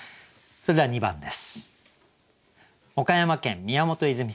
それでは２番です。